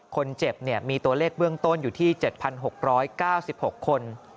คนเจ็บมีตัวเลขเบื้องต้นอยู่ที่๗๖๙๖คน